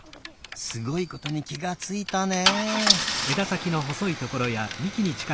すごいことにきがついたね。